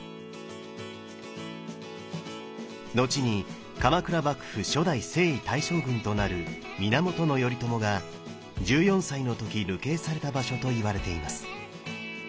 後に鎌倉幕府初代征夷大将軍となる源頼朝が１４歳の時流刑された場所といわれています。